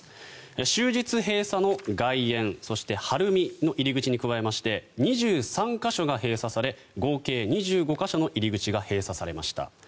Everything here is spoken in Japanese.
終日閉鎖の外苑、そして晴海の入り口に加えまして２３か所が閉鎖され合計２５か所の入り口が閉鎖されました。